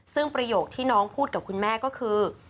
ซึ่งประโยคที่น้องพูดกับคุณแม่ก็คือ